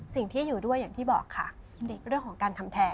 สิ่งที่อยู่ด้วยอย่างที่บอกค่ะเด็กเรื่องของการทำแท้